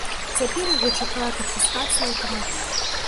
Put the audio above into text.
Цяпер яго чакае канфіскацыя аўтамабіля.